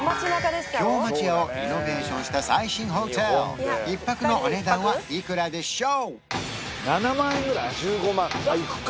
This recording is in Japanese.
京町屋をリノベーションした最新ホテル１泊のお値段はいくらでしょう？